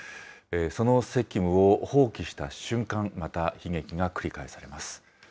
その責務を放棄した瞬間、また悲劇が繰り返されます。